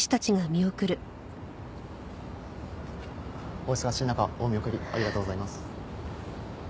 お忙しい中お見送りありがとうございます。